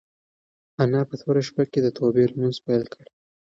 انا په توره شپه کې د توبې لمونځ پیل کړ.